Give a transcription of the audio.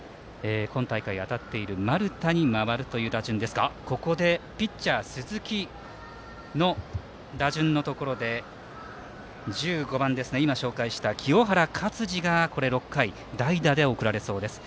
今大会、当たっている丸田に回るという打順ですがここでピッチャー鈴木の打順のところで１５番、清原勝児が６回、代打で送られそうです。